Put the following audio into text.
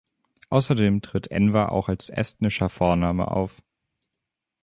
Außerdem tritt Enver auch als estnischer Vorname auf.